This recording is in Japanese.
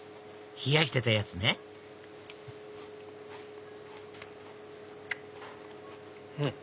冷やしてたやつねうん！